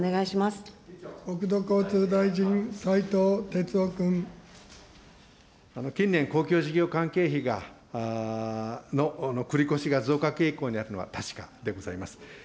国土交通大臣、近年、公共事業関係費の繰り越しが増加傾向にあるのは確かでございます。